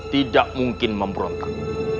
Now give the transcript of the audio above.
tidak mungkin memberontak